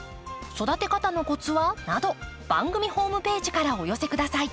「育て方のコツは？」など番組ホームページからお寄せ下さい。